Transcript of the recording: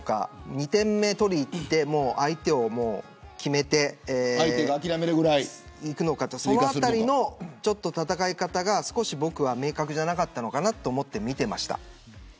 ２点目を取りにいって相手を決めていくのかというそのあたりの戦い方が明確じゃなかったのかなと思って見ていました。